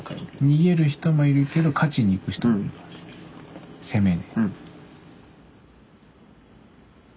逃げる人もいるけど勝ちに行く人もいるかもしんない攻めで。